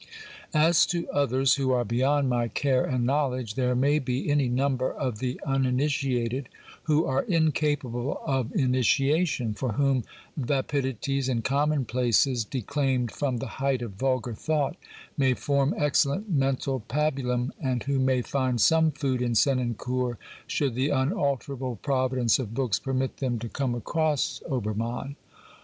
As to others who are beyond my care and knowledge, there may be any number of the uninitiated who are incapable of initiation, for whom vapidities and commonplaces, declaimed from the height of vulgar thought, may form excellent mental pabulum, and who may find some food in Senancour, should the unalterable providence of books permit them to come XXX BIOGRAPHICAL AND across Obermann.